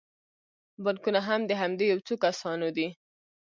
بانکونه هم د همدې یو څو کسانو دي